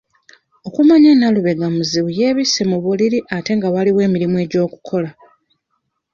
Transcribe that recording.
Okumanya Nalubega muzibu yeebisse mu buliri ate nga waliwo emirimu egy'okukola.